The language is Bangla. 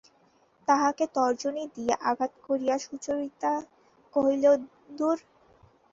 তাহাকে তর্জনী দিয়া আঘাত করিয়া সুচরিতা কহিল, দূর!